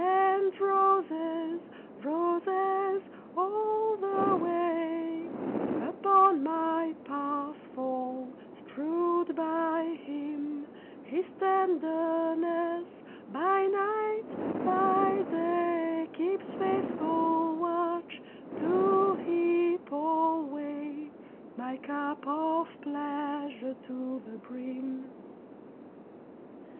And roses, roses all the way, Upon my path fall, strewed by him; His tenderness by night, by day, Keeps faithful watch to heap alway My cup of pleasure to the brim.